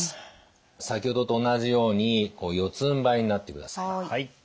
先ほどと同じように四つんばいになってください。